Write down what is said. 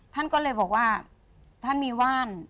ท่านก็เลยบอกว่าท่านมีว่าน